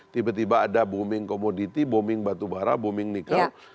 tiba tiba ada booming komoditi booming batubara booming nikel